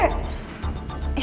bang kamu udah sampe